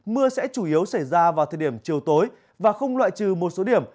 mưa sẽ chủ yếu xảy ra vào thời điểm chiều tối và không loại trừ một số điểm